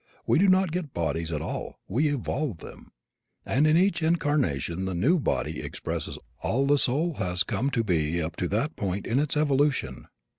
We do not get bodies at all, we evolve them, and in each incarnation the new body expresses all the soul has come to be up to that point in its evolution.